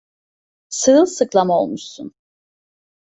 Sırılsıklam olmuşsun.